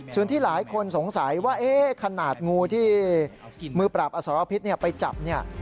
ส่วนที่หลายคนสงสัยว่าขนาดงูที่มือปราบอสรพิษไปจับเนี่ย